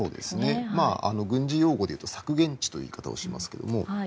軍事用語でいうと策源地という言い方をしますけれども。